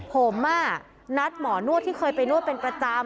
ผมนัดหมอนวดที่เคยไปนวดเป็นประจำ